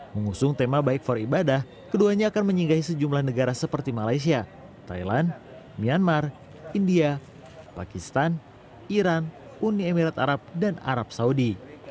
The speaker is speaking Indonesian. mengusung tema baik for ibadah keduanya akan menyinggahi sejumlah negara seperti malaysia thailand myanmar india pakistan iran uni emirat arab dan arab saudi